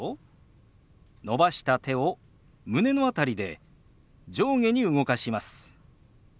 伸ばした手を胸の辺りで上下に動かします。